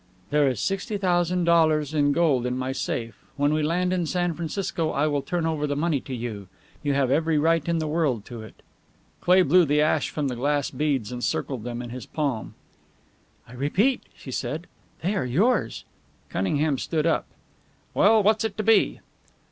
"There is sixty thousand dollars in gold in my safe. When we land in San Francisco I will turn over the money to you. You have every right in the world to it." Cleigh blew the ash from the glass beads and circled them in his palm. "I repeat," she said, "they are yours." Cunningham stood up. "Well, what's it to be?"